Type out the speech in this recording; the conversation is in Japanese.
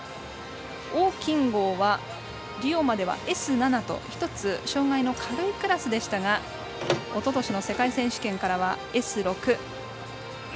王金剛は、リオまではＳ７と１つ障がいの軽いクラスでしたがおととしの世界選手権からはＳ６。